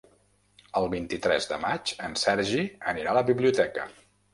El vint-i-tres de maig en Sergi anirà a la biblioteca.